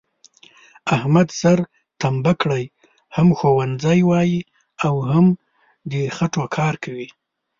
احمد سر تمبه کړی، هم ښوونځی وایي او هم د خټوکار کوي،